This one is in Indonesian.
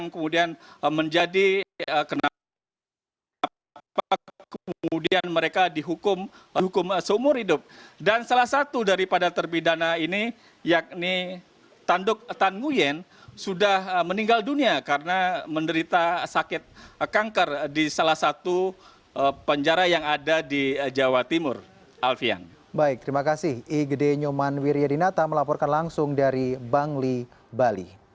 ketika dikonsumsi dengan konsulat jenderal australia terkait dua rekannya dikonsumsi dengan konsulat jenderal australia